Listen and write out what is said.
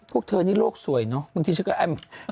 พวกเธอนี่โลกสวยเนาะ